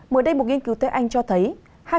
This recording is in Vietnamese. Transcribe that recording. mới đây một nghiên cứu tới anh cho thấy